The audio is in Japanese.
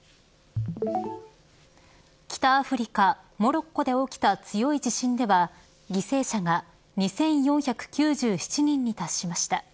北アフリカ・モロッコで起きた強い地震では犠牲者が２４９７人に達しました。